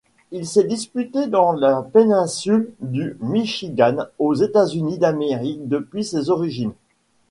Il s'est disputé dans la péninsule du Michigan aux États-Unis d'Amérique depuis ses origines.